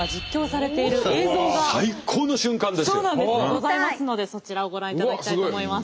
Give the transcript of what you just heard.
ございますのでそちらをご覧いただきたいと思います。